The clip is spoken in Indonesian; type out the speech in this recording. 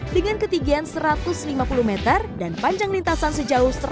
dengan ketigian satu ratus lima puluh meter dan panjang lintasan sejauh satu ratus sepuluh meter